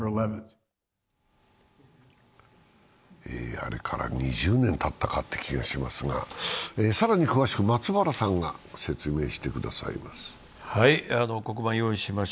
あれから２０年たったかという気がしますが、更に詳しく松原さんが説明してくださいます。